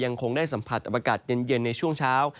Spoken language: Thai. ยังคงได้สัมผัสอุปกรณ์ในช่วงเช้า